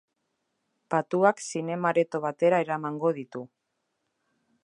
Patuak zinema-areto batera eramango ditu.